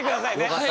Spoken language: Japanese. はい。